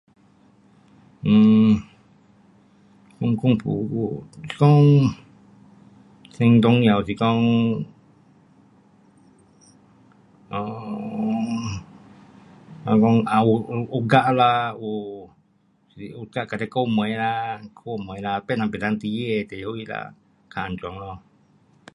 um 公共服务，是讲最重要是讲 um 是讲有 guard 啦，有 jaga 这顾门啦，哒别人不能进去它就较安全咯。